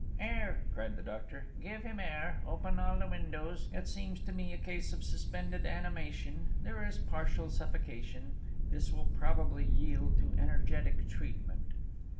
'Air!' cried the doctor, 'give him air! Open all the windows! It seems to me a case of suspended animation! There is partial suffocation. This will probably yield to energetic treatment.'